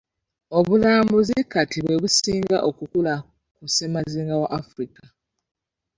Obulambuzi kati bwe businga okukula ku ssemazinga wa Africa.